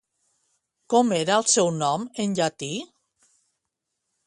Com era el seu nom en llatí?